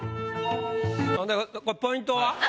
ほんでこれポイントは？